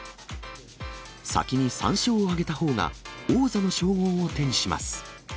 先に３勝を挙げたほうが、王座の称号を手にします。